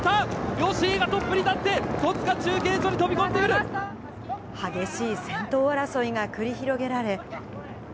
吉居がトップに立って、激しい先頭争いが繰り広げられ。